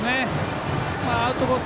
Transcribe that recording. アウトコース